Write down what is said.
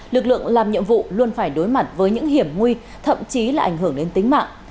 lực lượng làm nhiệm vụ luôn phải đối mặt với những hiểm nguy thậm chí là ảnh hưởng đến tính mạng